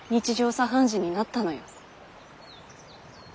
茶飯事になったのよ。